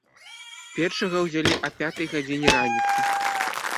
Першага ўзялі а пятай гадзіне раніцы.